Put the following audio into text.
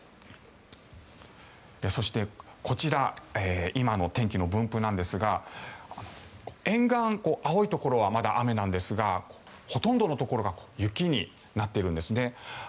そしてこちら今の天気の分布なんですが沿岸、青いところはまだ雨なんですがほとんどのところが雪になっているんですね。